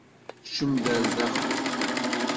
Kcem-d ar daxel!